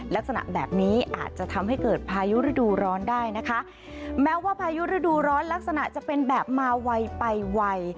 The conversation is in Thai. ลักษณะแบบนี้อาจจะทำให้เกิดพายุฤดูร้อนได้นะคะแม้ว่าพายุฤดูร้อนลักษณะจะเป็นแบบมาไวไปไว